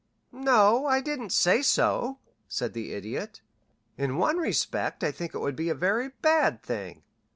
"No, I didn't say so," said the Idiot. "In one respect I think it would be a very bad thing.